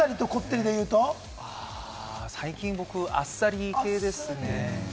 最近、僕はあっさりですね。